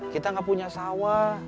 kita gak punya sawah